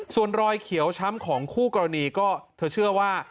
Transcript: ส่วนรอยเขียวช้ำของคู่กรณีก็เธอเชื่อว่า